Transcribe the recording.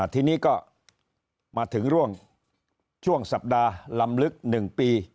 ทีนี้ก็มาถึงช่วงสัปดาห์ลำลึก๑ปี